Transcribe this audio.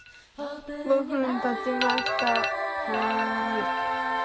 ５分たちました。